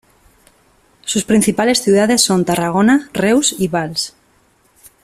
Sus principales ciudades son Tarragona, Reus y Valls.